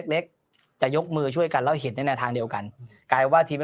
เล็กจะยกมือช่วยกันแล้วเห็นในแนวทางเดียวกันกลายเป็นว่าทีม